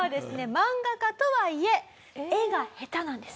漫画家とはいえ絵が下手なんです。